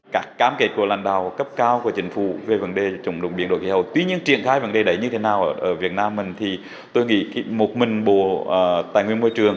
các cam kết của lãnh đạo cấp cao của chính phủ về vấn đề chủng đồng biến đổi khí hậu tuy nhiên triển khai vấn đề đấy như thế nào ở việt nam mình thì tôi nghĩ một mình bộ tài nguyên môi trường